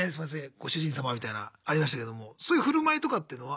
ご主人様」みたいなありましたけどもそういう振る舞いとかっていうのは？